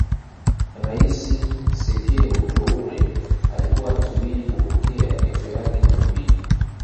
Rais sekou Toure alikuwa anasubiri kuupokea kesho yake Jumapili